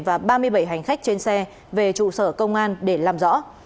và ba mươi bảy hành khách trên xe về trụ sở công an để làm rõ